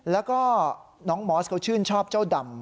แล้วก็น้องมอสเขาชื่นชอบเจ้าดำ